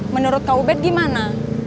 menurut kak ubed gimana